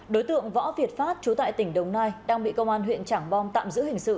đối tượng võ việt phát trú tại tỉnh đồng nai đang bị công an huyện trảng bom tạm giữ hình sự